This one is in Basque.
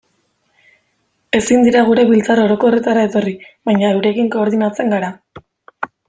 Ezin dira gure biltzar orokorretara etorri, baina eurekin koordinatzen gara.